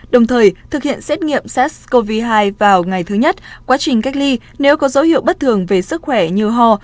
đồng thời thực hiện xét nghiệm sars cov hai vào ngày thứ nhất quá trình cách ly nếu có dấu hiệu bất thường về sức khỏe như ho